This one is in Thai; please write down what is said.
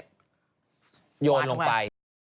โยนลงไป